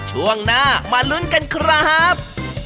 ช่วงหน้ามาลุ้นกันครับ